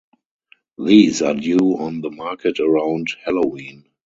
These are due on the market around Halloween.